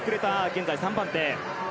現在３番手。